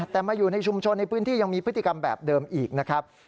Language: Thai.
แต่มาอยู่ในชุมชนในพื้นที่ยังมีพฤติกรรมแบบเดิมอีกนะครับ